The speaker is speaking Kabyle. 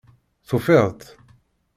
Tufiḍ-tt?